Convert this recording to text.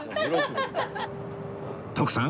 徳さん